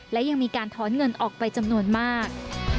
และยังมีการถอนเงินออกไปจำนวนมาก